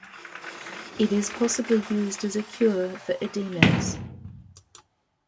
It is possibly used as a cure for edemas.